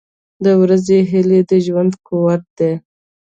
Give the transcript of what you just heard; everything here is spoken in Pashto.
• د ورځې هیلې د ژوند قوت دی.